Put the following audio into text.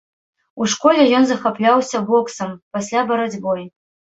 У школе ён захапляўся боксам, пасля барацьбой.